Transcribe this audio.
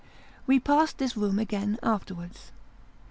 We passed this room again afterwards.